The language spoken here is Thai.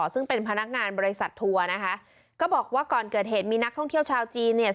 ซึ่งเป็นพนักงานบริษัททัวร์นะคะก็บอกว่าก่อนเกิดเหตุมีนักท่องเที่ยวชาวจีนเนี่ย